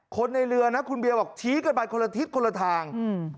คนในเรือนะคุณเบียบอกชี้กันไปคนละทิศคนละทางอืม